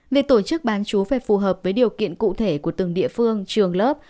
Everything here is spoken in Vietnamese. việc tổ chức bán chú phải phù hợp với điều kiện cụ thể của từng địa phương trường lớp